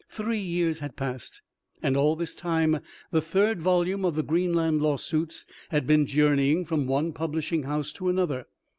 Three years had passed, and all this time the third volume of the "Greenland Lawsuits" had been journeying from one publishing house to another.